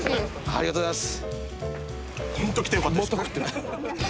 ありがとうございます。